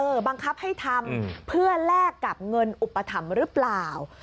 บังคับให้ทำเพื่อแลกกับเงินอุปถัมภ์หรือเปล่า